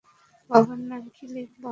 বাবার নাম কি লিখবো?